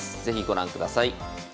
是非ご覧ください。